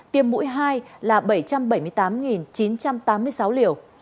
tiêm mũi hai là bảy trăm bảy mươi tám chín trăm tám mươi sáu liều